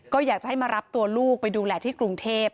ก็อยากจะให้มารับตัวลูกไปดูแลที่กรุงเทพ